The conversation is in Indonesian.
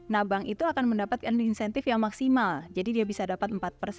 nah bank itu akan mendapatkan insentif yang maksimal jadi dia bisa dapat empat persen